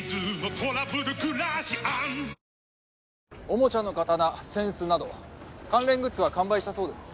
おもちゃの刀扇子など関連グッズは完売したそうです。